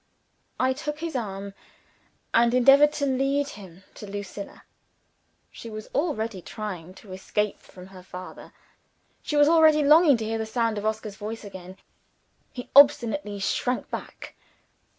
I took his arm, and endeavored to lead him to Lucilla. She as already trying to escape from her father; she was already longing to hear the sound of Oscar's voice again. He obstinately shrank back.